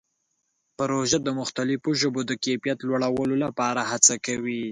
پروژه د مختلفو ژبو د کیفیت لوړولو لپاره هڅه کوي.